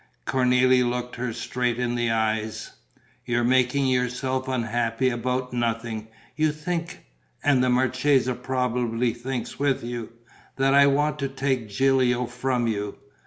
Cornélie looked her straight in the eyes: "You're making yourself unhappy about nothing. You think and the marchesa probably thinks with you that I want to take Gilio from you?